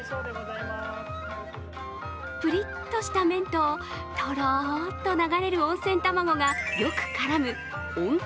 プリッとした麺と、とろっと流れる温泉卵がよく絡む温玉